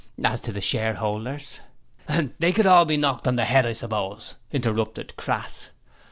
As to the shareholders ' 'They could all be knocked on the 'ead, I suppose,' interrupted Crass.